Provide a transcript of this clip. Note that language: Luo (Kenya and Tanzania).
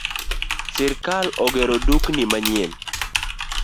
Sirkal ogero dukni manyien